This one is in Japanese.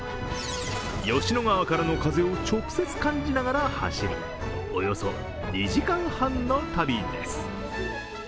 吉野川からの風を直接感じながら走るおよそ２時間半の旅です。